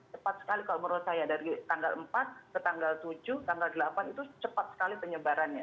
cepat sekali kalau menurut saya dari tanggal empat ke tanggal tujuh tanggal delapan itu cepat sekali penyebarannya